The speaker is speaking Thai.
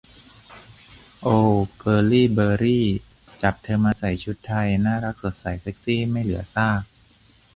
โอว เกิร์ลลี่ เบอร์รี่ จับเธอมาใส่ชุดไทย น่ารักสดใส เซ็กซี่ไม่เหลือซาก